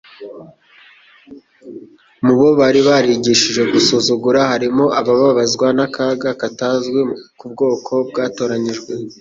Mu bo bari barigishije gusuzugura, harimo abababazwa n'akaga katazwi ku bwoko bwatoranyijwe,